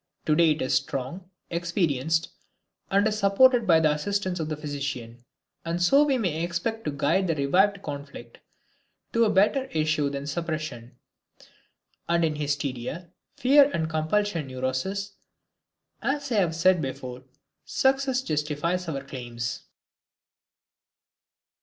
Today it is strong, experienced and is supported by the assistance of the physician. And so we may expect to guide the revived conflict to a better issue than a suppression, and in hysteria, fear and compulsion neuroses, as I have said before, success justifies our claims.